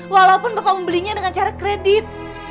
walaupun bapak membelinya dengan cara kredit